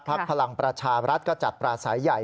ภักดิ์พลังประชารัฐก็จัดประสายใหญ่